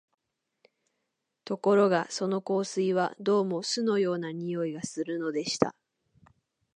ところがその香水は、どうも酢のような匂いがするのでした